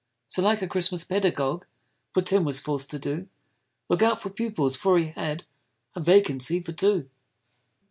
So, like a Christmas pedagogue, Poor Tim was forc'd to do Look out for pupils, for he had A vacancy for two.